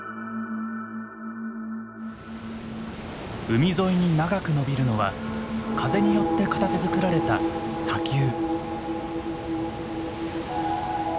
海沿いに長く伸びるのは風によって形づくられた砂丘。